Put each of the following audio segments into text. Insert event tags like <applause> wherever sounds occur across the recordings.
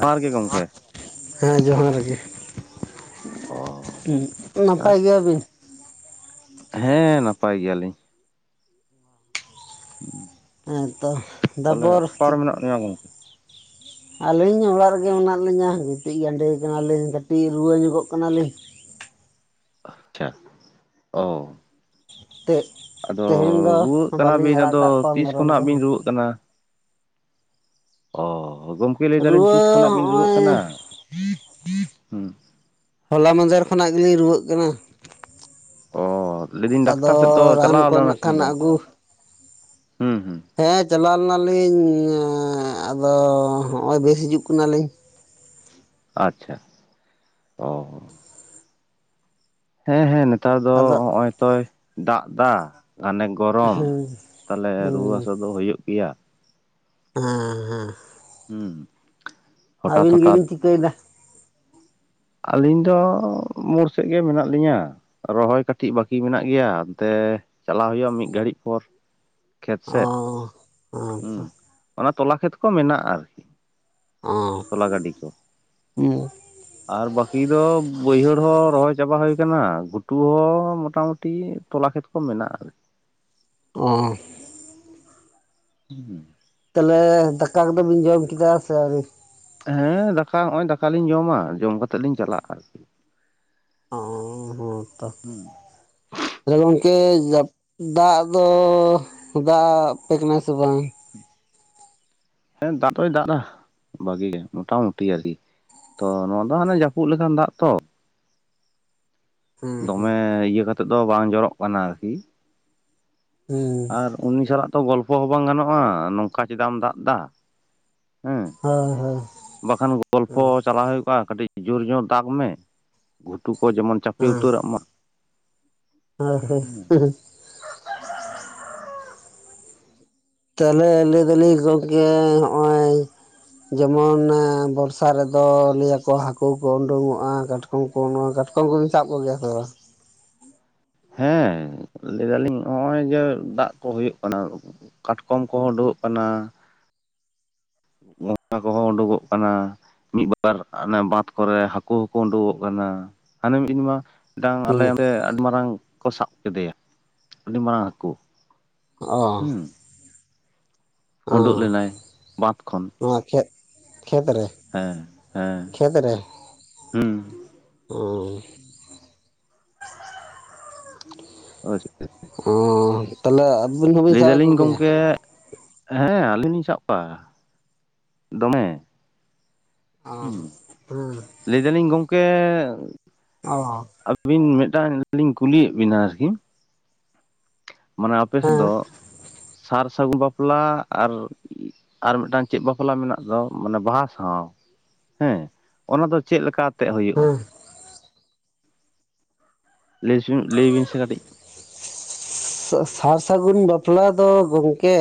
ᱡᱚᱦᱟᱨ ᱜᱮ ᱜᱚᱢᱠᱮ᱾ ᱦᱮᱸ ᱡᱚᱦᱟᱨ ᱜᱮ᱾ ᱚ ᱱᱟᱯᱟᱭ ᱟᱪᱪᱷᱟ ᱜᱮᱭᱟᱵᱤᱱ? ᱦᱮᱸ ᱱᱟᱯᱟᱭ ᱜᱮᱭᱟᱞᱤᱧ ᱾ ᱦᱮᱸ ᱛᱚ ᱛᱟᱦᱞᱮ ᱛᱟᱯᱚᱨ ᱚᱠᱟ ᱨᱮ ᱢᱮᱱᱟᱜ ᱢᱮᱭᱟ ᱜᱚᱢᱠᱮ ᱟᱹᱞᱤᱧ ᱚᱲᱟᱜ ᱨᱮᱜᱮ ᱢᱮᱱᱟᱜ ᱞᱤᱧᱟᱹ ᱜᱤᱛᱤᱡ ᱜᱟᱸᱰᱮ ᱠᱟᱱᱟᱞᱤᱧ ᱠᱟᱹᱴᱤᱡ ᱨᱩᱣᱟᱹ ᱧᱚᱜᱚᱜ ᱠᱟᱱᱟᱞᱤᱧ᱾ ᱟᱪᱪᱷᱟ ᱚ ᱛᱮ ᱟᱫᱚ ᱛᱮᱦᱮᱧ ᱫᱚ ᱨᱩᱣᱟᱹᱜ ᱵᱟᱹᱞᱤᱧ ᱠᱟᱱᱟᱵᱤᱱ, ᱟᱲᱟᱜ ᱟᱫᱚ ᱠᱟᱜ ᱠᱚᱣᱟ ᱛᱤᱥ ᱢᱮᱨᱚᱢ ᱠᱷᱚᱱᱟᱜ ᱠᱚᱦᱚᱸ ᱵᱤᱱ ᱨᱩᱣᱟᱹᱜ ᱠᱟᱱᱟ? ᱚ ᱜᱚᱢᱠᱮ ᱞᱟᱹᱭᱫᱟᱞᱤᱧ ᱨᱩᱣᱟᱹ ᱛᱤᱥ ᱠᱷᱚᱱᱟᱜ ᱵᱤᱱ ᱨᱩᱣᱟᱹᱜ ᱦᱚᱸᱜᱼᱚᱭ ᱠᱟᱱᱟ? ᱦᱚᱞᱟ ᱢᱟᱫᱷᱮᱨ ᱠᱷᱚᱱᱟᱜ ᱜᱮᱞᱤᱧ ᱨᱩᱣᱟᱹᱜ ᱠᱟᱱᱟ ᱾ ᱚ ᱞᱟᱹᱭᱫᱟᱹᱧ ᱟᱫᱚ ᱰᱟᱠᱛᱟᱨ ᱥᱮᱫ ᱫᱚ ᱨᱟᱱ ᱪᱟᱞᱟᱣ ᱠᱚ ᱞᱮᱱᱟ ᱱᱟᱜ ᱥᱮ ᱠᱷᱟᱱ ᱵᱟᱝ? ᱟᱹᱜᱩ ᱦᱸ ᱦ ᱦᱮᱸ ᱪᱟᱞᱟᱣ ᱞᱮᱱᱟᱞᱤᱧ ᱾ ᱟᱫᱚ ᱦᱚᱜᱼᱚᱭ ᱵᱮᱥ ᱦᱤᱡᱩᱜ ᱠᱟᱱᱟᱞᱤᱧ ᱾ ᱟᱪᱪᱷᱟ ᱚ ᱦᱮᱸ ᱦᱮᱸ ᱱᱮᱛᱟᱨ ᱫᱚ ᱟᱫᱚ ᱦᱚᱜ ᱚᱭ ᱛᱚᱭ ᱫᱟᱜ ᱫᱟ ᱟᱱᱮᱠ <inaudible> ᱜᱚᱨᱚᱢ ᱦᱮᱸ ᱛᱟᱞᱮ ᱨᱩᱣᱟᱹ ᱦᱮᱸ ᱦᱟᱹᱥᱩ ᱫᱚ ᱦᱩᱭᱩᱜ ᱜᱮᱭᱟ ᱦᱮᱸ ᱦᱮᱸ ᱦᱩᱸ ᱦᱚᱴᱟᱛ ᱟᱹᱵᱤᱱ ᱦᱚᱴᱟᱛ ᱜᱮᱵᱤᱱ ᱪᱤᱠᱟᱹᱭ ᱮᱫ ᱫᱟ ᱾ ᱟᱹᱞᱤᱧ ᱫᱚ ᱢᱳᱲ ᱥᱮᱜ ᱜᱮ ᱢᱮᱱᱟᱜ ᱞᱤᱧᱟᱹ ᱾ ᱨᱚᱦᱚᱭ ᱠᱟᱹᱴᱤᱡ ᱵᱟᱠᱤ ᱢᱮᱱᱟᱜ ᱜᱮᱭᱟ ᱾ ᱮᱱᱛᱮ ᱪᱟᱞᱟᱣ ᱦᱩᱭᱩᱜᱼᱟ ᱢᱤᱫᱜ ᱜᱷᱟᱹᱲᱤᱡ ᱯᱚᱨ ᱾ ᱚ ᱦᱩᱸ <inaudible> ᱚᱱᱟ ᱛᱚᱞᱟ ᱠᱷᱮᱛ ᱠᱚ ᱢᱮᱱᱟᱜᱼᱟ ᱾ ᱟᱨ ᱠᱤ ᱚ ᱛᱚᱞᱟ ᱜᱟᱹᱰᱤ ᱠᱚ ᱾ ᱦᱩᱸ ᱟᱨ ᱵᱟᱹᱠᱤ ᱫᱚ ᱵᱟᱹᱭᱦᱟᱹᱲ ᱦᱚᱸ ᱨᱚᱦᱚᱭ ᱪᱟᱵᱟ ᱦᱚᱭ ᱟᱠᱟᱱᱟ ᱜᱷᱩᱴᱩ ᱦᱚᱸ ᱢᱚᱴᱟ ᱢᱩᱴᱴᱤ ᱛᱚᱞᱟ ᱠᱷᱮᱛ ᱠᱚ ᱢᱮᱱᱟᱜᱼᱟ ᱟᱨᱠᱤ ᱾ ᱚᱸ ᱦᱩᱸᱩᱸ <inaudible> ᱛᱟᱦᱚᱞᱮ ᱫᱟᱠᱟ ᱠᱚᱫᱚ ᱵᱤᱱ ᱡᱚᱢ ᱠᱮᱫᱟ ᱥᱮ ᱟᱹᱣᱨᱤ? ᱦᱮᱸ ᱫᱟᱠᱟ ᱦᱚᱜᱼᱚᱭ ᱫᱟᱠᱟ ᱞᱤᱧ ᱡᱚᱢᱟ ᱡᱚᱢ ᱠᱟᱛᱮᱜ ᱞᱤᱧ ᱪᱟᱞᱟᱜᱼᱟ ᱾ ᱟᱨᱠᱤ ᱚᱸ ᱦᱸ ᱛᱚ᱾ ᱟᱫᱚ ᱜᱚᱝᱠᱮ ᱡᱟᱯ ᱫᱟᱜ ᱫᱚ ᱫᱟᱜ ᱟᱯᱮ ᱠᱟᱱᱟ ᱥᱮ ᱵᱟᱝ? ᱦᱮᱸ ᱫᱟᱜ ᱫᱚᱭ ᱫᱟᱜ ᱫᱟ ᱵᱷᱟᱜᱤ ᱜᱮ ᱢᱚᱴᱟ ᱢᱩᱴᱤ ᱟᱨᱠᱤ ᱛᱚ ᱱᱚᱣᱟ ᱫᱚ ᱦᱟᱱᱮ ᱡᱟᱹᱯᱩᱫ ᱞᱮᱠᱟᱱ ᱫᱟᱜ ᱛᱚ ᱦᱮᱸ ᱦᱮᱸ ᱫᱚᱢᱮ ᱤᱭᱟᱹ ᱠᱟᱛᱮᱫ ᱫᱚ ᱵᱟᱝ ᱡᱚᱨᱚᱜ ᱠᱟᱱᱟ ᱟᱨ ᱠᱤ ᱦᱩᱸ <inaudible> ᱟᱨ ᱩᱱᱤ ᱥᱟᱞᱟᱜ ᱛᱚ ᱜᱚᱞᱯᱚ ᱦᱚᱸ ᱵᱟᱝ ᱜᱟᱱᱚᱜᱼᱟ ᱱᱚᱝᱠᱟ ᱪᱮᱫᱟᱜ ᱮᱢ ᱫᱟᱜ ᱫᱟ ᱦᱮᱸ ᱦᱳᱭ ᱦᱳᱭ ᱵᱟᱠᱷᱟᱱ ᱜᱚᱞᱯᱷᱚ ᱪᱟᱞᱟᱣ ᱦᱳᱭ ᱠᱚᱜᱼᱟ ᱠᱟᱹᱴᱤᱡ ᱡᱩᱨ ᱧᱚᱜ ᱫᱟᱜᱽ ᱢᱮ ᱜᱷᱩᱴᱩ ᱠᱚ ᱡᱮᱢᱚᱱ ᱪᱟᱯᱮ ᱦᱮᱸ ᱩᱛᱟᱹᱨᱚᱜ ᱢᱟ <unintelligible> <inaudible> ᱛᱟᱦᱚᱞᱮ ᱞᱟᱹᱭ ᱫᱟᱞᱤᱧ ᱜᱚᱢᱠᱮ ᱦᱚᱜᱼᱚᱭ ᱡᱮᱢᱚᱱ ᱵᱚᱨᱥᱟ ᱨᱮᱫᱚ ᱞᱟᱹᱭᱟ ᱠᱚ ᱦᱟᱠᱩ ᱠᱚ ᱩᱰᱩᱝᱚᱜᱼᱟ ᱠᱟᱴ <unintelligible> ᱱᱚᱣᱟ ᱠᱟᱴᱠᱚᱢ ᱠᱚᱵᱤᱱ ᱥᱟᱵ ᱠᱚᱜᱮᱭᱟ ᱥᱮ ᱵᱟᱝ? ᱦᱮᱸ ᱞᱟᱹᱭ ᱫᱟᱞᱤᱧ ᱦᱚᱜᱼᱚᱭ ᱡᱮ ᱫᱟᱜ ᱠᱚ ᱦᱩᱭᱩᱜ ᱠᱟᱱᱟ ᱠᱟᱴᱠᱚᱢ ᱠᱚ ᱩᱰᱩᱜ-ᱚᱜ ᱠᱟᱱᱟ ᱚᱱᱟ ᱠᱚᱦᱚᱸ ᱩᱰᱩᱠᱚᱜ ᱠᱟᱱᱟ᱾ ᱢᱤᱫᱵᱟᱨ ᱚᱱᱮ ᱵᱟᱸᱫ ᱠᱚᱨᱮ ᱦᱟᱠᱩ ᱦᱚᱸᱠᱚ ᱩᱰᱩᱠᱚᱜ ᱠᱟᱱᱟ ᱦᱟᱱᱮ ᱢᱤᱫ ᱫᱤᱱ ᱢᱟ ᱢᱤᱫᱴᱟᱝ ᱟᱞᱮ ᱦᱮᱸ ᱚᱰᱮ ᱟᱹᱰᱤ ᱢᱟᱨᱟᱝ ᱠᱚ ᱥᱟᱵ ᱠᱮᱫᱮᱭᱟ ᱟᱹᱰᱤ ᱢᱟᱨᱟᱝ ᱦᱟᱠᱩ ᱚᱻ ᱩᱰᱜ ᱞᱮᱱᱟᱭ ᱵᱟᱸᱫᱽ ᱠᱷᱚᱱ ᱱᱚᱣᱟ ᱠᱷᱮ ᱠᱷᱮᱛ ᱨᱮ ᱦᱮᱸ ᱦᱮᱸ ᱠᱷᱮᱛ ᱨᱮ ᱦᱩᱸ ᱩᱸ ᱚ ᱪᱮᱫ ᱛᱮ? ᱚ ᱛᱟᱦᱚᱞᱮ ᱟᱹᱵᱤᱱ ᱦᱚᱸᱵᱤᱱ ᱞᱟᱹᱭ ᱥᱟᱵᱮᱫ ᱫᱟᱞᱤᱧ ᱠᱚᱜᱮᱭᱟ? ᱜᱚᱝᱠᱮ ᱦᱮᱸ ᱟᱹᱞᱤᱧ ᱞᱤᱧ ᱥᱟᱵᱠᱚᱼᱟ ᱫᱚᱢᱮ ᱚ ᱦᱩᱸ ᱦᱩᱸ ᱞᱟᱹᱭ ᱫᱟᱹᱞᱤᱧ ᱜᱚᱝᱠᱮ ᱚ ᱟᱹᱵᱤᱱ ᱢᱤᱫᱴᱟᱝ ᱞᱤᱧ ᱠᱩᱞᱤᱭᱮᱫ ᱵᱤᱱᱟ ᱟᱨᱠᱤ ᱢᱟᱱᱮ ᱟᱯᱮ ᱥᱮᱫ ᱫᱚ ᱦᱮᱸ ᱥᱟᱨ ᱥᱟᱜᱩ ᱵᱟᱯᱞᱟ ᱟᱨ ᱟᱨ ᱢᱤᱫᱴᱟᱝ ᱪᱮᱫ ᱵᱟᱯᱞᱟ ᱢᱮᱱᱟᱜ ᱫᱚ ᱢᱟᱱᱮ ᱵᱟᱦᱟᱸ ᱥᱟᱶ ᱦᱮᱸ ᱚᱱᱟ ᱫᱚ ᱪᱮᱫ ᱞᱮᱠᱟ ᱠᱟᱛᱮᱫ ᱦᱳᱭᱳᱜᱼᱟ ᱦᱮᱸ ᱞᱟᱹᱭ ᱥᱩᱢᱚᱭ ᱞᱟᱹᱭ ᱵᱤᱱ ᱥᱮ ᱠᱟᱹᱴᱤᱡ ᱥᱟᱹ ᱥᱟᱨ ᱥᱟᱹᱜᱩᱱ ᱵᱟᱯᱞᱟ ᱫᱚ ᱜᱚᱝᱠᱮ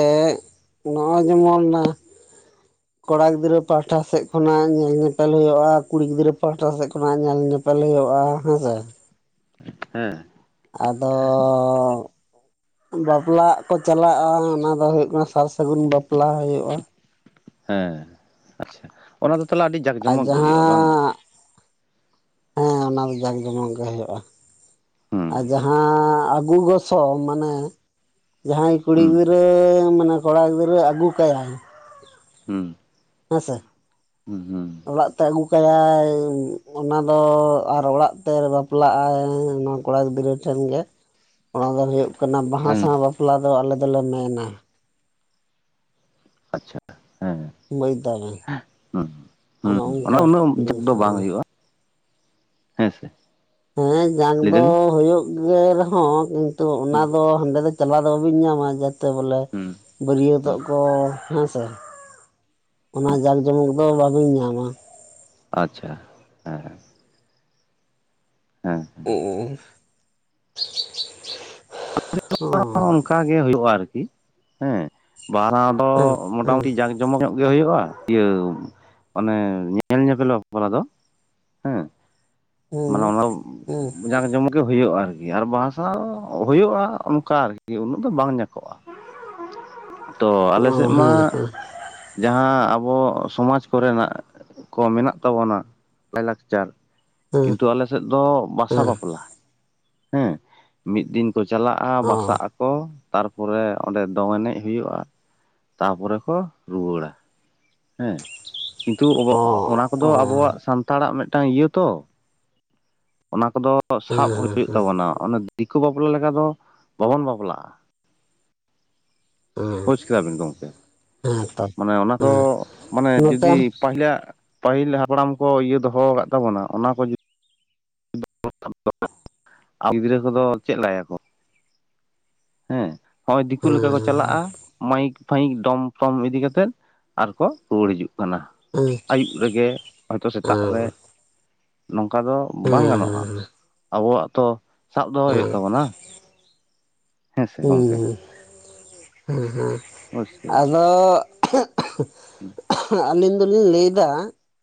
ᱱᱚᱜᱼᱚᱭ ᱡᱮᱢᱚᱱ ᱚᱱᱟ ᱠᱚᱲᱟ ᱜᱤᱫᱽᱨᱟᱹ ᱯᱟᱦᱟᱴᱟ ᱥᱮᱫ ᱠᱷᱚᱱᱟᱜ ᱧᱮᱞ ᱧᱮᱯᱮᱞ ᱦᱳᱭᱳᱜᱼᱟ, ᱠᱩᱲᱤ ᱜᱤᱫᱽᱨᱟᱹ ᱯᱟᱦᱟᱴᱟ ᱥᱮᱫ ᱠᱷᱚᱱᱟᱜ ᱧᱮᱞ ᱧᱮᱯ ᱯᱮᱞ ᱦᱳᱭᱳᱜᱼᱟ ᱦᱮᱸ ᱥᱮ ᱦᱮᱸ᱾ ᱟᱫᱚᱻ ᱵᱟᱯᱞᱟᱜ ᱠᱚ ᱪᱟᱞᱟᱜᱼᱟ ᱚᱱᱟ ᱫᱚ ᱦᱩᱭᱩᱜ ᱠᱟᱱᱟ ᱥᱟᱨ ᱥᱟᱹᱜᱩᱱ ᱵᱟᱯᱞᱟ ᱦᱩᱭᱩᱜᱼᱟ ᱦᱮᱸ ᱟᱪᱪᱷᱟ ᱚᱱᱟ ᱫᱚ ᱛᱟᱦᱞᱮ ᱟᱹᱰᱤ ᱡᱟᱠ ᱟᱨ ᱡᱚᱢᱚᱠ ᱜᱮ ᱦᱩᱭᱩᱜᱼᱟ ᱵᱟᱝ ᱜᱳ ᱡᱟᱦᱟᱸ ᱦᱮᱸ ᱚᱱᱟ ᱫᱚ ᱡᱟᱠ ᱡᱚᱢᱚᱠ ᱜᱮ ᱦᱳᱭᱳᱜᱼᱟ, ᱦᱩᱸ ᱟᱨ ᱡᱟᱦᱟᱸ ᱟᱹᱜᱩ ᱜᱚᱥ ᱥᱚ ᱢᱟᱱᱮ ᱡᱟᱦᱟᱸᱭ ᱠᱩᱲᱤ ᱦᱩᱸ ᱜᱤᱫᱽᱨᱟᱹ ᱢᱟᱱᱮ ᱠᱚᱲᱟ ᱜᱤᱫᱽᱨᱟᱹ ᱟᱹᱜᱩ ᱠᱟᱭᱟᱭ, ᱦᱩᱸ ᱦᱮᱸᱥᱮ ᱦᱩᱸ ᱦᱩᱸ᱾ ᱚᱲᱟᱜ ᱛᱮ ᱟᱹᱜᱩ ᱠᱟᱭᱟᱭ, ᱚᱱᱟ ᱫᱚ ᱟᱨ ᱚᱲᱟᱜ ᱛᱮᱨ ᱵᱟᱯᱞᱟᱜ ᱟᱭ ᱠᱚᱲᱟ ᱜᱤᱫᱽᱨᱟᱹ ᱴᱷᱮᱱ ᱜᱮ ᱚᱱᱟ ᱫᱚ ᱦᱳᱭᱳᱜ ᱠᱟᱱᱟ ᱵᱟᱸᱦᱟᱸ ᱦᱮᱸ ᱥᱟᱶ ᱵᱟᱯᱞᱟ ᱫᱚ ᱟᱞᱮ ᱫᱚᱞᱮ ᱢᱮᱱᱟ᱾ ᱟᱪᱪᱷᱟ ᱦᱮᱸ ᱵᱩᱡᱽ ᱫᱟᱵᱮᱱ ᱦᱩᱸ ᱚᱱᱮ ᱦᱩᱸ ᱚᱱᱟ ᱚᱱᱠᱟ ᱩᱱᱟᱹᱜ ᱡᱟᱠ ᱫᱚ ᱵᱟᱝ ᱦᱳᱭᱳᱜᱼᱟ, ᱦᱮᱸᱥᱮ? ᱦᱮᱸ ᱡᱟᱝ ᱫᱚ ᱦᱳᱭᱳᱜ ᱜᱮ ᱨᱮᱦᱚᱸ ᱠᱤᱱᱛᱩ ᱚᱱᱟ ᱦᱩᱸ ᱫᱚ ᱦᱟᱸᱰᱮ ᱫᱚ ᱪᱟᱞᱟᱣ ᱫᱚ ᱵᱟᱹᱵᱤᱱ ᱧᱟᱢᱟ ᱡᱟᱛᱮ ᱵᱚᱞᱮ ᱦᱩᱸ ᱦᱩᱸ ᱵᱟᱹᱨᱭᱟᱹᱛᱚᱜ ᱠᱚ ᱦᱮᱸ ᱥᱮ ᱚᱱᱟ ᱡᱟᱸᱠ ᱡᱚᱢᱚᱠ ᱫᱚ ᱵᱟᱹᱵᱤᱱ ᱧᱟᱢᱟ᱾ ᱟᱪᱪᱷᱟ ᱦᱮᱸ ᱦᱮᱸ <unintelligible> <unintelligible> ᱦᱮᱸ ᱚᱱᱠᱟᱟᱜ ᱜᱮ ᱦᱳᱭᱳᱜᱼᱟ ᱟᱨᱠᱤ ᱦᱮᱸ <unintelligible> ᱚ ᱢᱚᱴᱟᱢᱩᱴᱤ ᱡᱟᱸᱠ ᱡᱚᱢᱚᱜᱽ ᱧᱚᱜ ᱜᱮ ᱦᱳᱭᱳᱜᱼᱟ ᱤᱭᱟᱹ ᱢᱟᱱᱮ ᱧᱮᱞ ᱧᱮᱯᱮᱞ ᱵᱟᱯᱞᱟ ᱫᱚ ᱦᱮᱸ ᱢᱟᱱᱮ ᱚᱱᱟ ᱦᱮᱸ ᱡᱟᱠ ᱡᱚᱢᱚᱠ ᱜᱮ ᱦᱩᱭᱩᱜᱼᱟ, ᱟᱨᱠᱤ ᱟᱨ ᱵᱟᱸᱦᱟᱸ ᱥᱟᱶᱟ ᱦᱳᱭᱳᱜᱼᱟ ᱚᱱᱠᱟ ᱟᱨᱠᱤ ᱩᱱᱟᱹᱜ ᱫᱚ ᱵᱟᱝ ᱡᱟᱠᱚᱜᱼᱟ᱾ ᱛᱚ ᱟᱞᱮ ᱥᱮᱫ ᱢᱟ ᱦᱮᱸ ᱦᱮᱸ ᱡᱟᱦᱟᱸ ᱟᱵᱚ ᱥᱚᱢᱟᱡᱽ ᱠᱚᱨᱮᱱᱟᱜ ᱠᱚ ᱢᱮᱱᱟᱜ ᱛᱟᱵᱚᱱᱟ ᱞᱟᱭ ᱞᱟᱠᱪᱟᱨ, ᱠᱤᱱᱛᱩ ᱟᱞᱮᱥᱮᱫ ᱫᱚ ᱵᱟᱥᱟ ᱵᱟᱯᱞᱟ, ᱦᱮᱸ ᱢᱤᱫ ᱫᱤᱱ ᱠᱚ ᱪᱟᱞᱟᱜᱼᱟ ᱵᱟᱥᱟᱜ ᱟᱠᱚ ᱠᱚ ᱛᱟᱨ ᱯᱚᱨᱮ ᱚᱸᱰᱮ ᱫᱚᱝ ᱮᱱᱮᱡ ᱦᱩᱭᱩᱜᱼᱟ, ᱛᱟᱯᱚᱨᱮ ᱠᱚ ᱨᱩᱣᱟᱹᱲᱟ᱾ ᱦᱮᱸ ᱠᱤᱱᱛᱩ ᱚᱱᱟ ᱠᱚ ᱫᱚ ᱟᱵᱚᱣᱟᱜ ᱥᱟᱱᱛᱟᱲᱟᱜ ᱢᱤᱫᱴᱟᱝ ᱤᱭᱟᱹ ᱛᱚ᱾ ᱚᱱᱟ ᱠᱚᱫᱚ ᱥᱟᱵ ᱦᱩᱭᱩᱜ ᱛᱟᱵᱚᱱᱟ ᱚᱱᱮ ᱫᱤᱠᱩ ᱵᱟᱯᱞᱟ ᱞᱮᱠᱟ ᱫᱚ ᱵᱟᱵᱚᱱ ᱵᱟᱯᱞᱟᱜᱼᱟ᱾ ᱵᱩᱡ ᱠᱮᱫᱟᱵᱤᱱ ᱜᱚᱢᱠᱮ, ᱢᱟᱱᱮ ᱚᱱᱟ ᱫᱚ ᱦᱮᱸ ᱢᱟᱱᱮ ᱡᱩᱫᱤ ᱯᱟᱦᱤᱞᱟᱜ ᱯᱟᱹᱦᱤᱞ ᱦᱟᱯᱲᱟᱢ ᱠᱚ ᱤᱭᱟᱹ ᱫᱚᱦᱚ ᱟᱠᱟᱫ ᱛᱟᱵᱚᱱᱟ ᱚᱱᱟ ᱠᱚ <unintelligible> ᱟᱨ ᱜᱤᱨᱟᱹ ᱠᱚᱫᱚ ᱪᱮᱫ ᱞᱮᱠᱟ ᱠᱚ ᱦᱮᱸ ᱦᱚᱜᱼᱚᱭ ᱫᱤᱠᱩ ᱞᱮᱠᱟ ᱠᱚ ᱪᱟᱞᱟᱜᱼᱟ᱾ ᱢᱟᱭᱤᱠ ᱯᱷᱟᱭᱤᱠ ᱰᱚᱢ ᱴᱚᱢ ᱤᱫᱤ ᱠᱟᱛᱮᱜ ᱟᱨᱠᱚ ᱨᱩᱣᱟᱹᱲ ᱦᱤᱡᱩᱜ ᱠᱟᱱᱟ᱾ ᱟᱹᱭᱩᱵ ᱨᱮᱜᱮ ᱦᱚᱭᱛᱚ ᱥᱮᱛᱟᱜ ᱨᱮ ᱱᱚᱝᱠᱟ ᱫᱚ ᱵᱟᱝ ᱜᱟᱱᱚᱜᱼᱟ ᱟᱵᱚᱣᱟᱜ ᱛᱚ ᱥᱟᱵ ᱫᱚᱦᱚ ᱦᱩᱭᱩᱜ ᱛᱟᱵᱚᱱᱟ, ᱦᱮᱸ ᱥᱮ ᱜᱚᱢᱠᱮ? ᱦᱮᱸ ᱦᱮᱸ ᱟᱫᱚ ᱦᱩᱸ ᱟᱹᱞᱤᱧ ᱫᱚᱞᱤᱧ ᱞᱟᱹᱭ ᱮᱫᱟ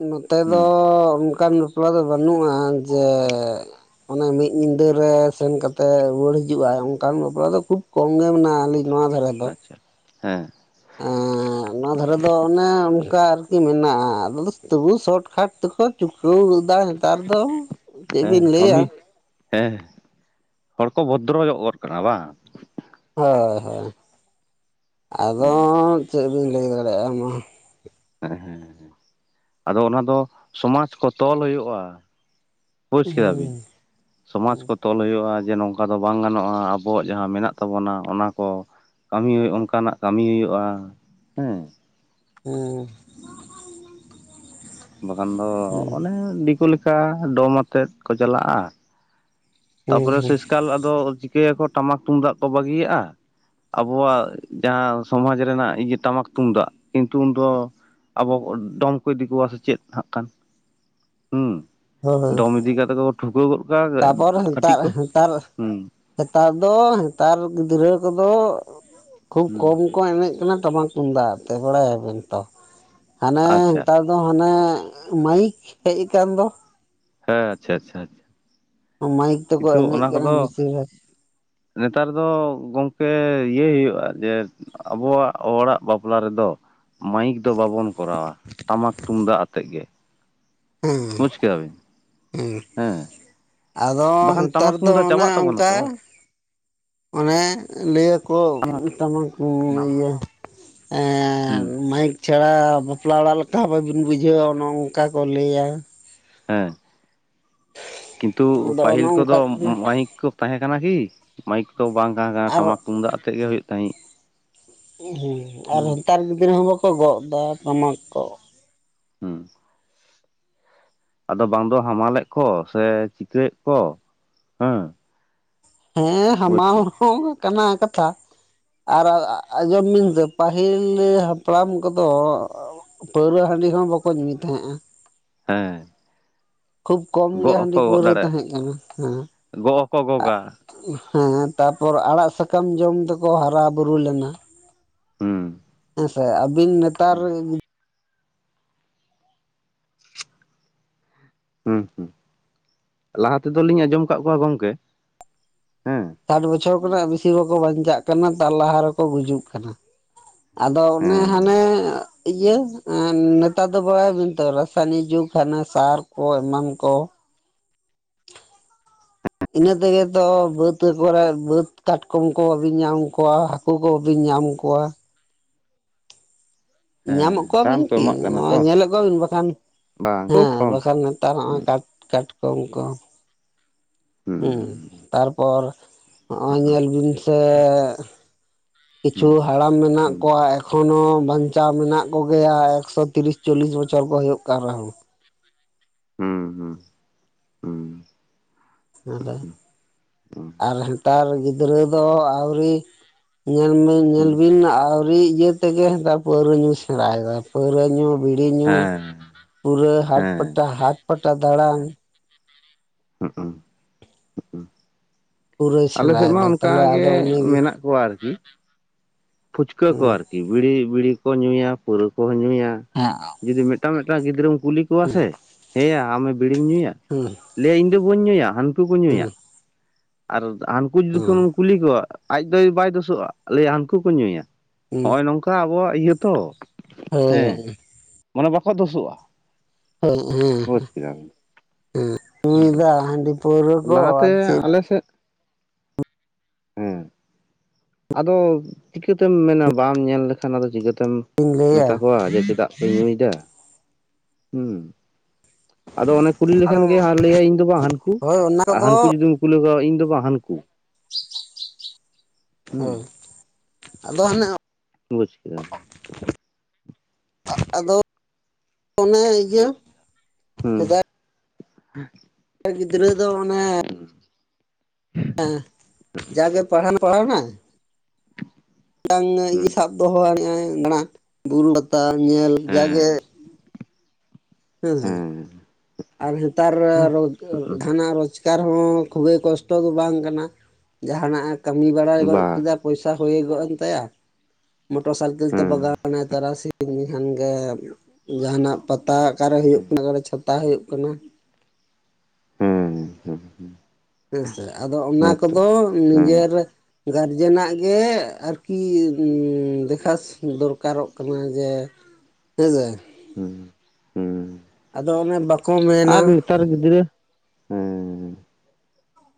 ᱱᱚᱛᱮ ᱫᱚᱻ ᱦᱩᱸ ᱚᱱᱠᱟᱱ ᱵᱟᱯᱞᱟ ᱫᱚ ᱵᱟᱹᱱᱩᱜᱼᱟ ᱡᱮ ᱚᱱᱮ ᱢᱤᱫ ᱧᱤᱫᱟᱹ ᱨᱮ ᱥᱮᱱ ᱠᱟᱛᱮᱜ ᱨᱩᱣᱟᱹᱲ ᱦᱤᱡᱩᱜ-ᱟᱭ ᱚᱝᱠᱟᱱ ᱵᱟᱯᱞᱟ ᱫᱚ ᱠᱷᱩᱵ ᱠᱚᱢ ᱜᱮ ᱢᱮᱱᱟᱜᱼᱟ ᱟᱹᱞᱤᱧ ᱱᱚᱣᱟ ᱫᱷᱟᱨᱮ ᱟᱪᱪᱷᱟ ᱦᱮᱸ᱾ ᱮᱸᱻ ᱱᱚᱣᱟ ᱫᱷᱟᱨᱮ ᱫᱚ ᱚᱱᱮ ᱚᱱᱠᱟ ᱟᱨᱠᱤ ᱢᱮᱱᱟᱜᱼᱟ, ᱛᱚᱵᱩ ᱥᱚᱴ ᱠᱷᱟᱴ ᱛᱮᱠᱚ ᱪᱩᱠᱟᱹᱣ ᱜᱚᱫᱟᱭ ᱱᱮᱛᱟᱨ ᱫᱚ ᱪᱮᱫ ᱦᱮᱸ ᱵᱤᱱ ᱞᱟᱹᱭᱟ ᱠᱟᱹᱢᱤ ᱦᱮᱸ ᱦᱚᱲ ᱠᱚ ᱵᱷᱚᱫᱽᱨᱚ ᱚᱨ ᱠᱟᱱᱟ ᱵᱟᱝ? ᱦᱳᱭ ᱦᱳᱭ ᱟᱫᱚᱸ ᱪᱮᱜ ᱞᱮᱧ ᱞᱟᱹᱭ ᱫᱟᱲᱮᱜᱼᱟ ᱢᱟ᱾ ᱦᱮᱸ ᱦᱮᱸ ᱟᱫᱚ ᱚᱱᱟ ᱫᱚ ᱥᱚᱢᱟᱡ ᱠᱚ ᱛᱚᱞ ᱦᱩᱭᱩᱜᱼᱟ᱾ ᱵᱩᱡ ᱠᱮᱫᱟᱵᱤᱱ? ᱦᱩᱸ ᱥᱚᱢᱟᱡᱽ ᱠᱚ ᱛᱚᱞ ᱦᱩᱭᱩᱜᱼᱟ ᱡᱮ ᱱᱚᱝᱠᱟ ᱫᱚ ᱵᱟᱝ ᱜᱟᱱᱚᱜᱼᱟ᱾ ᱟᱵᱚᱣᱟᱜ ᱡᱟᱦᱟᱸ ᱢᱮᱱᱟᱜ ᱛᱟᱵᱚᱱᱟ ᱚᱱᱟ ᱠᱚ ᱠᱟᱹᱢᱤ ᱦᱩᱭᱩᱜ ᱚᱱᱠᱟᱱᱟᱜ ᱠᱟᱹᱢᱤᱭ ᱦᱩᱭᱩᱜᱼᱟ ᱦᱮᱸ᱾ ᱦᱮᱸ ᱵᱟᱠᱷᱟᱱ ᱫᱚ ᱚᱱᱮ ᱫᱤᱠᱩ ᱞᱮᱠᱟ ᱰᱚᱢ ᱟᱛᱮᱫ ᱠᱚ ᱪᱟᱞᱟᱜᱼᱟ, ᱦᱩᱸ ᱛᱟᱯᱚᱨᱮ ᱦᱩᱸ ᱥᱮᱥᱠᱟᱞ ᱟᱫᱚ ᱪᱤᱠᱟᱹᱭᱟᱠᱚ ᱴᱟᱢᱟᱠ ᱛᱩᱢᱫᱟᱜ ᱠᱚ ᱵᱟᱹᱜᱤᱭᱟᱜᱼᱟ᱾ ᱟᱵᱚᱣᱟᱜ ᱡᱟᱦᱟᱸ ᱥᱚᱢᱟᱡᱽ ᱨᱮᱱᱟᱜ ᱤᱭᱟᱹ ᱴᱟᱢᱟᱠ ᱛᱩᱢᱫᱟᱜ ᱠᱤᱱᱛᱩ ᱩᱱ ᱫᱚ ᱟᱵᱚ ᱰᱚᱢ ᱠᱚ ᱤᱫᱤ ᱠᱚᱣᱟ ᱥᱮ ᱪᱮᱫ ᱦᱟᱸᱜ ᱠᱷᱟᱱ? ᱦᱩᱸ ᱦᱳᱭ ᱰᱚᱢ ᱤᱫᱤ ᱠᱟᱛᱮᱜ ᱠᱚ ᱴᱷᱩᱠᱟᱹᱣ ᱜᱚᱜ ᱠᱟᱜᱼᱟ ᱠᱟᱹᱴᱤ ᱠᱚ ᱦᱚᱸ ᱱᱮᱛᱟᱨ ᱫᱚ ᱱᱮᱛᱟᱨ ᱜᱤᱫᱽᱨᱟᱹ ᱠᱚᱫᱚ ᱠᱷᱩᱵᱽ ᱦᱩᱸ ᱠᱚᱢ ᱠᱚ ᱮᱱᱮᱡ ᱠᱟᱱᱟ ᱴᱟᱢᱟᱠ ᱛᱩᱢᱫᱟᱜ ᱛᱮ ᱵᱟᱲᱟᱭᱟᱵᱮᱱ ᱛᱚ, ᱦᱟᱱᱮ ᱟᱪᱪᱷᱟ ᱱᱮᱛᱟᱨ ᱫᱚ ᱦᱟᱱᱮ ᱢᱟᱭᱤᱠ ᱦᱮᱡ ᱠᱟᱱ ᱫᱚ᱾ ᱦᱮᱸ ᱟᱪᱷᱟ ᱟᱪᱷᱟ᱾ ᱢᱟᱭᱤᱠ ᱛᱮᱠᱚ ᱮᱱᱮᱡ ᱠᱟᱱᱟ ᱠᱚᱫᱚ ᱵᱤᱥᱤᱨ ᱵᱷᱟᱜᱽ᱾ ᱱᱮᱛᱟᱨ ᱫᱚ ᱜᱚᱝᱠᱮ ᱤᱭᱟᱹᱭ ᱦᱩᱭᱩᱜᱼᱟ ᱡᱮ ᱟᱵᱚᱣᱟᱜ ᱦᱚᱲᱟᱜ ᱵᱟᱯᱞᱟ ᱨᱮᱫᱚ ᱢᱟᱭᱤᱠ ᱫᱚ ᱵᱟᱵᱚᱱ ᱠᱚᱨᱟᱣᱟ ᱴᱟᱢᱟᱠ ᱛᱩᱢᱫᱟᱜ ᱟᱛᱮᱜ ᱜᱮ᱾ ᱦᱮᱸ ᱵᱩᱡ ᱠᱮᱫᱮ ᱵᱮᱱ᱾ ᱦᱮᱸ ᱟᱫᱚ ᱵᱟᱠᱷᱟᱱ ᱱᱮᱛᱟᱨ ᱴᱟᱢᱟᱠ ᱫᱚ ᱛᱩᱢᱫᱟᱜ ᱚᱱᱮ ᱪᱟᱵᱟᱜ ᱛᱟᱵᱚᱱᱟ ᱚᱱᱠᱟ ᱛᱚ᱾ ᱚᱱᱮ ᱞᱟᱹᱭᱟᱠᱚ ᱴᱟᱢᱟᱠ <unintelligible> ᱮᱸ ᱦᱩᱸ ᱢᱟᱭᱤᱠ ᱪᱷᱟᱲᱟ ᱵᱟᱯᱞᱟ ᱚᱲᱟᱜ ᱞᱮᱠᱟ ᱦᱚᱸ ᱵᱟᱹᱵᱤᱱ ᱵᱩᱡᱷᱟᱹᱣᱟ ᱱᱚᱝᱠᱟ ᱠᱚ ᱞᱟᱹᱭᱟ᱾ ᱦᱮᱸ ᱠᱤᱱᱛᱩ ᱟᱫᱚ ᱚᱱᱮ ᱯᱟᱹᱦᱤᱞ ᱠᱚᱫᱚ ᱚᱱᱠᱟᱜ ᱠᱟᱱᱟ ᱢᱟᱭᱤᱠ ᱠᱩ ᱛᱟᱦᱮᱸ ᱠᱟᱱᱟ ᱠᱤ? ᱢᱟᱹᱭᱤᱠ ᱛᱚ ᱵᱟᱝ ᱛᱟᱦᱮᱸ ᱠᱟᱱᱟ ᱟᱨ ᱴᱟᱢᱟᱠ ᱛᱩᱢᱫᱟᱜ ᱟᱛᱮᱜ ᱜᱮ ᱦᱩᱭᱩᱜ ᱛᱟᱦᱮᱸᱜ᱾ ᱦᱮᱸ ᱟᱨ ᱱᱮᱛᱟᱨ ᱜᱤᱫᱽᱨᱟᱹ ᱦᱚᱸ ᱵᱟᱠᱚ ᱜᱚᱜ ᱫᱟ ᱴᱟᱢᱟᱠ ᱠᱚ᱾ ᱦᱚᱸ ᱟᱫᱚ ᱵᱟᱝ ᱫᱚ ᱦᱟᱢᱟᱞᱮᱜ ᱠᱚ ᱥᱮ ᱪᱤᱠᱟᱹᱭᱮᱜ ᱠᱚ ᱦᱮᱸ? ᱦᱮᱸ ᱵᱩᱡᱽ ᱦᱟᱢᱟᱞ ᱠᱮᱫ ᱦᱚᱸ ᱠᱟᱱᱟ ᱠᱟᱛᱷᱟ ᱟᱨ ᱟᱨ ᱟᱸᱡᱚᱢ ᱵᱤᱱ ᱛᱚ ᱯᱟᱹᱦᱤᱞ ᱦᱟᱯᱲᱟᱢ ᱠᱚᱫᱚ ᱯᱟᱹᱣᱨᱟᱟᱹ ᱦᱟᱺᱰᱤ ᱦᱚᱸ ᱵᱟᱠᱚ ᱧᱩᱭ ᱛᱟᱦᱮᱸᱜᱼᱟ᱾ ᱦᱮᱸ ᱠᱷᱩᱵ ᱠᱚᱢ ᱜᱮ ᱜᱚᱜ ᱦᱟᱺᱰᱤ ᱦᱚᱸᱠᱚ ᱜᱚᱜ ᱯᱟᱹᱣᱨᱟᱹ ᱫᱟᱲᱮᱭᱟᱜ ᱛᱟᱦᱮᱸ ᱠᱟᱱᱟ ᱦᱮᱸ᱾ ᱜᱚᱜ ᱦᱚᱸᱠᱚ ᱜᱚᱜᱟ ᱦᱮᱸ ᱛᱟᱯᱚᱨ ᱟᱲᱟᱜ ᱥᱟᱠᱟᱢ ᱡᱚᱢ ᱛᱮᱠᱚ ᱦᱟᱨᱟ ᱵᱩᱨᱩ ᱞᱮᱱᱟ᱾ ᱦᱩᱸ ᱦᱮᱸᱥᱮ ᱟᱹᱵᱤᱱ ᱱᱮᱛᱟᱨ ᱦᱩᱸ ᱦᱩᱸ ᱞᱟᱦᱟ ᱛᱮᱫᱚᱞᱤᱧ ᱟᱸᱡᱚᱢ ᱠᱟᱜ ᱠᱚᱣᱟ ᱜᱚᱝᱠᱮ ᱦᱮᱸ ᱥᱟᱴ ᱵᱚᱪᱷᱚᱨ ᱠᱷᱚᱱᱟᱜ ᱵᱤᱥᱤ ᱵᱟᱠᱚ ᱵᱟᱧᱪᱟᱜ ᱠᱟᱱᱟ ᱛᱟᱨ ᱞᱟᱦᱟ ᱨᱮᱠᱚ ᱜᱩᱡᱩᱜ ᱠᱟᱱᱟ᱾ ᱟᱫᱚ ᱚᱱᱮ ᱦᱮᱸ ᱦᱟᱱᱮ ᱤᱭᱟᱹ ᱮᱸ ᱱᱮᱛᱟᱨ ᱫᱚ ᱵᱟᱲᱟᱭᱟ ᱵᱮᱱ ᱛᱚ ᱨᱟᱥᱟᱭᱱᱤᱠ ᱡᱩᱜᱽ ᱦᱟᱱᱮ ᱥᱟᱨ ᱠᱚ ᱮᱢᱟᱱ ᱠᱚ ᱤᱱᱟᱹ ᱛᱮᱜᱮ ᱛᱚ ᱵᱟᱹᱫᱽ ᱠᱚᱨᱮ ᱵᱟᱹᱫᱽ ᱠᱟᱴᱠᱚᱢ ᱠᱚᱦᱚᱸ ᱵᱟᱵᱤᱱ ᱧᱟᱢ ᱠᱚᱣᱟ᱾ ᱠᱩᱜᱚ ᱵᱤᱱ ᱧᱟᱢ ᱠᱚᱣᱟ᱾ ᱦᱮᱸ ᱧᱟᱢᱚᱜ ᱨᱟᱱ ᱠᱚᱣᱟᱵᱤᱱ ᱠᱚ ᱠᱤ? ᱮᱢᱟᱜ ᱠᱟᱱᱟ ᱱᱚᱜᱼᱚᱭ ᱛᱚ ᱧᱮᱞᱮᱜ ᱠᱚᱣᱟᱵᱤᱱ ᱵᱟᱠᱷᱟᱱ ᱵᱟᱝ ᱦᱮᱸ ᱠᱷᱩᱵ ᱠᱚᱢ ᱵᱟᱠᱷᱟᱱ ᱱᱮᱛᱟᱨ ᱦᱚᱸᱜᱼᱚ ᱦᱩᱸ ᱠᱟᱴ ᱠᱟᱴᱠᱚᱢ ᱠᱚ ᱦᱚᱸ ᱦᱩᱸ ᱛᱟᱨᱯᱚᱨ ᱦᱚᱸᱜᱼᱚᱭ ᱦᱩᱸ ᱧᱮᱞ ᱵᱤᱱ ᱥᱮ ᱠᱤᱪᱷᱩ ᱦᱩᱸ ᱦᱟᱲᱟᱢ ᱢᱮᱱᱟᱜ ᱦᱩᱸ ᱠᱚᱣᱟ ᱮᱠᱷᱚᱱᱚ ᱵᱟᱧᱪᱟᱣ ᱢᱮᱱᱟᱜ ᱠᱚᱜᱮᱭᱟ ᱮᱠᱥᱚ ᱛᱤᱨᱤᱥ ᱪᱚᱞᱞᱤᱥ ᱵᱚᱪᱷᱚᱨ ᱠᱚ ᱦᱩᱭᱩᱜ ᱠᱟᱱ ᱨᱮᱦᱚᱸ᱾ ᱦᱩᱸ ᱦᱩᱸ ᱦᱩᱸ <inaudible> ᱟᱨ ᱱᱮᱛᱟᱨ ᱜᱤᱫᱽᱨᱟᱹ ᱫᱚ ᱟᱹᱣᱨᱤ ᱧᱮᱞᱵᱤᱱ ᱧᱮᱞ ᱵᱤᱱ ᱟᱹᱣᱨᱤ ᱤᱭᱟᱹ ᱛᱮᱜᱮ ᱯᱟᱹᱣᱨᱟᱹ ᱧᱩ ᱥᱮᱬᱟᱭᱫᱟ ᱯᱟᱹᱣᱨᱟᱹ ᱧᱩ ᱵᱤᱲᱤ ᱧᱩ ᱦᱮᱸ ᱯᱩᱨᱟᱹ ᱦᱟᱴ ᱦᱮᱸ ᱯᱟᱴᱟ ᱦᱟᱴ ᱯᱟᱴᱟ ᱫᱟᱬᱟᱱ᱾ ᱦᱮ ᱯᱩᱨᱟᱹᱭ ᱟᱞᱮ ᱥᱮᱫ ᱢᱟ ᱥᱮᱬᱟᱭᱮᱫᱟ ᱛᱟᱦᱚᱞᱮ ᱚᱱᱠᱟᱜᱮ ᱟᱫᱚ ᱩᱱᱤᱜᱮ ᱢᱮᱱᱟᱜ ᱠᱚᱣᱟ ᱟᱨᱠᱤ᱾ ᱯᱷᱩᱪᱠᱟᱹ ᱠᱚ ᱦᱩᱸ ᱟᱨᱠᱤ, ᱵᱤᱲᱤ ᱵᱤᱲᱤ ᱠᱚ ᱧᱩᱭᱟ, ᱯᱟᱹᱣᱨᱟᱹ ᱠᱚᱦᱚᱸ ᱧᱩᱭᱟ᱾ ᱦᱮᱸ ᱡᱩᱫᱤ ᱢᱤᱫᱴᱟᱝ ᱢᱤᱫᱴᱟᱝ ᱜᱤᱫᱽᱨᱟᱹᱢ ᱠᱩᱞᱤ ᱠᱚᱣᱟ ᱥᱮ ᱦᱮᱸᱭᱟ ᱟᱢᱮ ᱵᱤᱲᱤᱢ ᱧᱩᱭᱟ ᱦᱩᱸ ᱞᱟᱹᱭᱟ ᱤᱧ ᱫᱚ ᱵᱟᱹᱧ ᱧᱩᱭᱟ ᱦᱟᱹᱱᱠᱩ ᱠᱚ ᱦᱩᱸ ᱧᱩᱭᱟ, ᱟᱨ ᱦᱟᱱᱠᱩ ᱦᱩᱸ ᱡᱩᱫᱤᱠᱷᱚᱱᱮᱢ ᱠᱩᱞᱤ ᱠᱚᱣᱟ ᱟᱡ ᱫᱚᱭ ᱵᱟᱭ ᱫᱳᱥᱚᱜᱼᱟ ᱞᱟᱹᱭᱟ ᱦᱟᱱᱠᱩ ᱠᱚ ᱧᱩᱭᱟ ᱦᱩᱸ ᱱᱚᱜᱼᱚᱭ ᱱᱚᱝᱠᱟ ᱟᱵᱚᱣᱟᱜ ᱤᱭᱟᱹ ᱛᱚ᱾ ᱦᱳᱭ ᱦᱮᱸ ᱢᱟᱱᱮ ᱵᱟᱠᱚ ᱫᱩᱥᱳᱜᱼᱟ᱾ ᱦᱮᱸ ᱦᱮᱸ᱾ ᱦᱮᱸ ᱧᱩᱭ ᱫᱟ ᱦᱟᱺᱰᱤ ᱯᱟᱹᱣᱨᱟᱹ ᱠᱚ ᱞᱟᱦᱟᱛᱮ ᱟᱨ ᱪᱮᱫ ᱟᱞᱮ ᱥᱮᱫ ᱦᱮᱸ᱾ ᱟᱫᱚ ᱪᱤᱠᱟᱹᱛᱮᱢ ᱢᱮᱱᱟ ᱵᱟᱢ ᱧᱮᱞ ᱞᱮᱠᱷᱟᱱ ᱟᱫᱚ ᱪᱤᱠᱟᱹᱛᱮᱢ ᱵᱤᱱ ᱞᱟᱹᱭᱟ ᱢᱮᱛᱟ ᱠᱚᱣᱟ ᱡᱮ ᱪᱮᱫᱟᱜ ᱧᱩᱭᱫᱟ ᱦᱩᱸ ᱟᱫᱚ ᱚᱱᱮ ᱠᱩᱞᱤ ᱟᱫᱚ ᱞᱮᱠᱷᱟᱱ ᱜᱮ ᱞᱟᱹᱭᱟ ᱤᱧ ᱫᱚ ᱵᱟᱝ ᱦᱟᱹᱱᱠᱩ, ᱦᱳᱭ ᱚᱱᱟ ᱟᱨ ᱠᱚᱫᱚ ᱦᱟᱹᱱᱠᱩ ᱡᱩᱫᱤᱢ ᱠᱩᱞᱤ ᱠᱚᱣᱟ ᱤᱧ ᱫᱚ ᱵᱟᱝ ᱦᱟᱹᱱᱠᱩ᱾ ᱦᱳᱭ ᱦᱩᱸ ᱟᱫᱚ ᱦᱟᱱᱮ ᱵᱩᱡᱽ ᱠᱮᱫᱟ᱾ ᱟᱫᱚ <inaudible> ᱚᱱᱮ ᱤᱭᱟᱹ ᱦᱮᱸ ᱥᱮᱫᱟᱭ ᱜᱤᱫᱽᱨᱟᱹ ᱫᱚ ᱚᱱᱮ ᱦᱮᱸ ᱡᱟᱜᱮ ᱯᱟᱲᱦᱟᱣ ᱯᱟᱲᱦᱟᱣᱱᱟ ᱦᱩᱸ <inaudible> ᱫᱚᱦᱚᱼᱟᱭ <inaudible> ᱢᱮᱱᱟᱜ-ᱟ ᱵᱩᱨᱩ ᱯᱟᱛᱟ ᱧᱮᱞ ᱡᱟᱜᱮ ᱦᱮᱸ ᱦᱮᱸ <inaudible> ᱟᱨ ᱦᱮᱛᱟᱨ ᱡᱟᱦᱟᱱᱟᱜ ᱨᱳᱡᱽᱜᱟᱨ ᱦᱚᱸ ᱠᱷᱩᱵᱮ ᱠᱚᱥᱴᱚ ᱫᱚ ᱵᱟᱝ ᱠᱟᱱᱟ ᱡᱟᱦᱟᱱᱟᱜ ᱠᱟᱹᱢᱤ ᱵᱟᱲᱟᱭ ᱜᱚᱫ ᱵᱟᱝ ᱠᱮᱫᱟ ᱯᱚᱭᱥᱟ ᱦᱩᱭ ᱜᱚᱫ ᱮᱱ ᱛᱟᱭᱟ᱾ ᱢᱚᱴᱚᱨ ᱥᱟᱭᱠᱮᱞ ᱛᱮ ᱦᱮᱸ ᱵᱟᱜᱟᱣᱱᱟᱭ ᱛᱟᱨᱟᱥᱤ ᱩᱱᱤ ᱠᱷᱟᱱ ᱜᱮ ᱡᱟᱸᱦᱟᱱᱟᱜ ᱯᱟᱛᱟ ᱚᱠᱟᱨᱮ ᱦᱩᱭᱩᱜ ᱠᱟᱱᱟ, ᱚᱠᱟᱨᱮ ᱪᱷᱟᱛᱟ ᱦᱩᱭᱩᱜ ᱠᱟᱱᱟ᱾ ᱦᱮᱸ ᱦᱮᱸ ᱦᱮᱸ᱾ ᱦᱮᱸ ᱥᱮ ᱟᱫᱚ ᱚᱱᱟ ᱠᱚᱫᱚ ᱦᱮᱸ ᱱᱤᱡᱮᱨ ᱜᱟᱨᱡᱮᱱᱟᱜ ᱜᱮ ᱟᱨᱠᱤ ᱫᱮᱠᱷᱟᱥ ᱫᱚᱨᱠᱟᱨᱚᱜ ᱠᱟᱱᱟ ᱡᱮ ᱦᱮᱸ ᱥᱮ ᱦᱩᱸ ᱦᱩᱸ᱾ ᱟᱫᱚ ᱚᱱᱮ ᱵᱟ ᱟᱨ ᱱᱮᱛᱟᱨ ᱜᱤᱫᱽᱨᱟᱹ, ᱦᱩᱸ᱾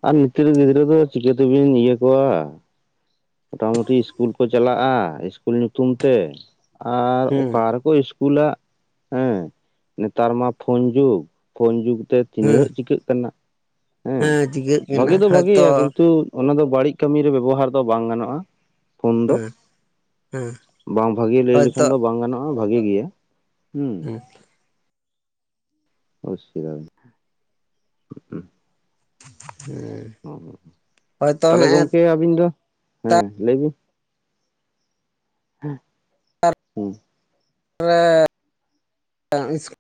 ᱟᱨ ᱱᱤᱛᱟᱹᱨ ᱜᱤᱫᱽᱨᱟᱹ ᱫᱚ ᱪᱤᱠᱟᱹ ᱛᱮᱵᱮᱱ ᱤᱭᱟᱹ ᱠᱚᱣᱟ᱾ ᱢᱚᱴᱟ ᱢᱩᱴᱤ ᱤᱥᱠᱩᱞ ᱠᱚ ᱪᱟᱞᱟᱜᱼᱟ, ᱤᱥᱠᱩᱞ ᱧᱩᱛᱩᱢ ᱛᱮ ᱟᱨ ᱦᱮᱸ ᱚᱠᱟ ᱠᱚ ᱤᱥᱠᱩᱞᱟᱜ ᱦᱮᱸ ᱱᱮᱛᱟᱨ ᱢᱟ ᱯᱷᱳᱱ ᱡᱩᱜᱽ, ᱯᱷᱳᱱ ᱡᱩᱜᱽ ᱛᱮ ᱦᱮᱸ ᱪᱤᱱᱟᱜ ᱪᱤᱠᱟᱹᱜ ᱠᱟᱱᱟ ᱦᱮᱸ ᱪᱤᱠᱟᱹᱜ ᱠᱟᱱᱟ ᱵᱷᱟᱜᱤ ᱫᱚ ᱦᱚᱭᱛᱚ ᱵᱷᱟᱜᱤᱭᱟ ᱠᱤᱱᱛᱩ ᱚᱱᱟ ᱫᱚ ᱵᱟᱹᱲᱤᱡ ᱠᱟᱹᱢᱤᱨᱮ ᱵᱮᱵᱚᱦᱟᱨ ᱫᱚ ᱵᱟᱝ ᱜᱟᱱᱚᱜᱼᱟ᱾ ᱯᱷᱳᱱ ᱫᱚ ᱦᱮᱸ ᱦᱮᱸ ᱵᱟᱝ ᱵᱷᱟᱜᱮ ᱞᱟᱹᱭ ᱦᱚᱭᱛᱚ ᱞᱮᱠᱷᱟᱱ ᱫᱚ ᱵᱟᱝ ᱜᱟᱱᱚᱜᱼᱟ᱾ ᱦᱸ ᱵᱷᱟᱜᱤ ᱜᱮᱭᱟ ᱦᱩᱸ <unintelligible> <unintelligible> <unintelligible> ᱦᱚᱭᱛᱚ ᱛᱟᱦᱚᱞᱮ ᱦᱮᱸᱜᱼᱮ ᱜᱚᱝᱠᱮ ᱤᱧᱫᱚ, ᱦᱮᱸ ᱞᱟᱹᱭ ᱵᱤᱱ? <unintelligible>